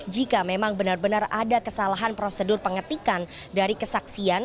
jika memang benar benar ada kesalahan prosedur pengetikan dari kesaksian